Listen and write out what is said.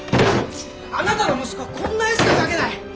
あなたの息子はこんな絵しか描けない！